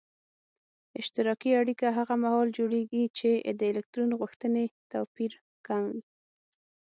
اشتراکي اړیکه هغه محال جوړیږي چې د الکترون غوښتنې توپیر کم وي.